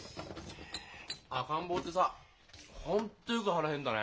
赤ん坊ってさ本当よく腹減るんだね。